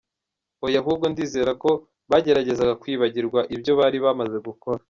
Oya ahubwo ndizera ko bageragezaga kwibagirwa ibyo bari bamaze gukora.